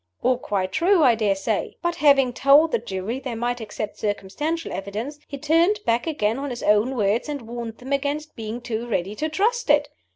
All quite true, I dare say. But, having told the Jury they might accept circumstantial evidence, he turned back again on his own words, and warned them against being too ready to trust it!